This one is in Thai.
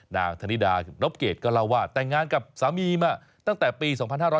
ณธนิดานบเกรดก็เล่าว่าแต่งงานกับสามีมาตั้งแต่ปี๒๕๕๙